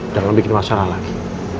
jangan bikin masalah lagi